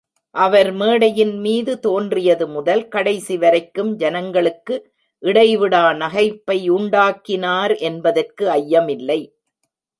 அவர் மேடையின் மீது தோன்றியது முதல் கடைசி வரைக்கும் ஜனங்களுக்கு இடைவிடா நகைப்பையுண்டாக்கினார் என்பதற்கு ஐயமில்லை.